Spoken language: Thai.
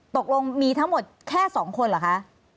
ตกลงมีทั้งหมดแค่๒คนเหรอคะ